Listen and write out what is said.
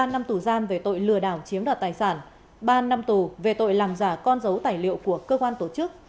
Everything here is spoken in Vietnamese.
một mươi năm năm tù giam về tội lừa đảo chiếm đoạt tài sản ba năm tù về tội làm giả con dấu tài liệu của cơ quan tổ chức